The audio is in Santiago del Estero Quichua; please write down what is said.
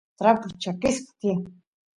trapus chakisqa tiyan